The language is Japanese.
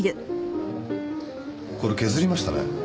これ削りましたね？